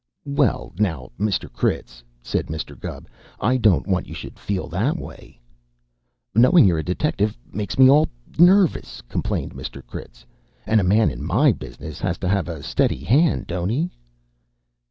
"Well, now, Mr. Critz," said Mr. Gubb, "I don't want you should feel that way." "Knowin' you are a detective makes me all nervous," complained Mr. Critz; "and a man in my business has to have a steady hand, don't he?"